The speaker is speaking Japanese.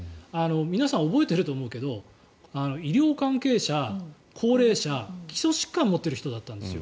皆さん、覚えていると思うけど医療関係者、高齢者、基礎疾患を持ってる人だったんですよ。